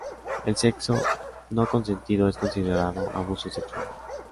El sexo no consentido es considerado abuso sexual.